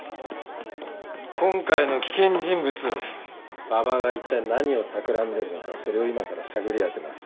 今回の危険人物馬場がいったい何をたくらんでるのかそれを今から探り当てます。